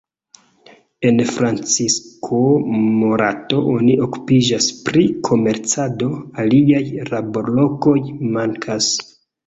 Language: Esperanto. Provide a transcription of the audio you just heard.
En Francisco Morato oni okupiĝas pri komercado, aliaj laborlokoj mankas.